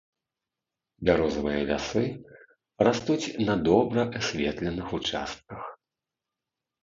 Бярозавыя лясы растуць на добра асветленых участках.